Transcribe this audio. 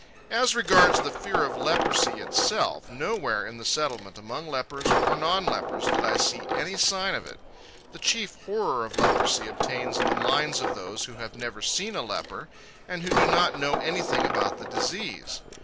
As regards the fear of leprosy itself, nowhere in the Settlement among lepers, or non lepers, did I see any sign of it. The chief horror of leprosy obtains in the minds of those who have never seen a leper and who do not know anything about the disease.